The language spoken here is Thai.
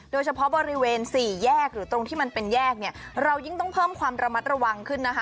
โดยเฉพาะบริเวณสี่แยกหรือตรงที่มันเป็นแยกเนี่ยเรายิ่งต้องเพิ่มความระมัดระวังขึ้นนะคะ